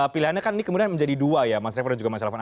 pilihannya kan ini kemudian menjadi dua ya mas revo dan juga mas revan